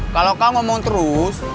kalau kau ngomong terus